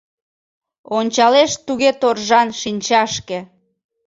Ончалеш туге торжан шинчашке